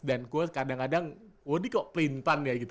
dan gue kadang kadang wo di kok pelintang ya gitu